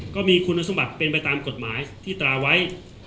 ก็มีคุณสมบัติเป็นไปตามกฎหมายที่ตราไว้